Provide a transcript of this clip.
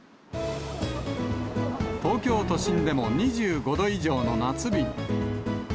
東京都心でも２５度以上の夏日に。